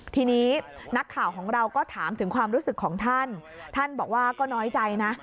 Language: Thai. ทีนี้นักข่าวของเราก็ถามถึงความรู้สึกของท่านท่านบอกว่าก็น้อยใจนะ